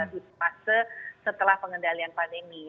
di fase setelah pengendalian pandemi